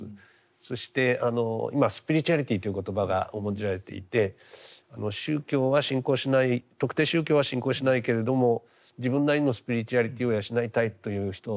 そして今スピリチュアリティという言葉が重んじられていて宗教は信仰しない特定宗教は信仰しないけれども自分なりのスピリチュアリティを養いたいという人も多数いるんですがね。